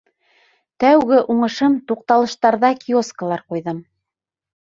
— Тәүге уңышым — туҡталыштарҙа киоскылар ҡуйҙым.